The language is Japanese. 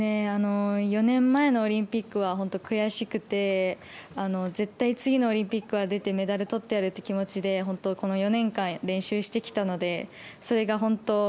４年前のオリンピックは本当、悔しくて絶対、次のオリンピックは出てメダル取ってやるって気持ちで本当この４年間練習してきたのでそれが本当